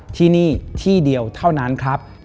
ที่นี่ที่เดียวเท่านั้นครับ